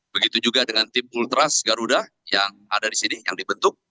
begitu juga dengan tim ultras garuda yang ada di sini yang dibentuk